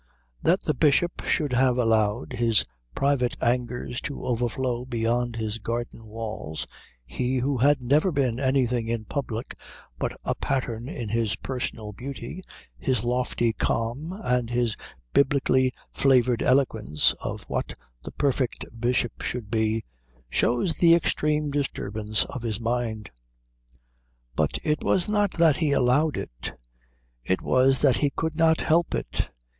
That the Bishop should have allowed his private angers to overflow beyond his garden walls, he who had never been anything in public but a pattern in his personal beauty, his lofty calm, and his biblically flavoured eloquence of what the perfect bishop should be, shows the extreme disturbance of his mind. But it was not that he allowed it: it was that he could not help it.